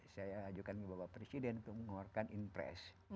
saya ajukan bapak presiden untuk mengeluarkan impres